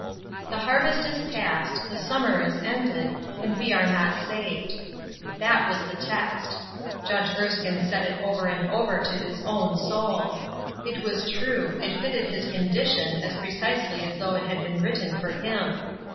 "The harvest is past, the summer is ended, and we are not saved." That was the text. Judge Erskine said it over and over to his own soul. It was true; it fitted his condition as precisely as though it had been written for him.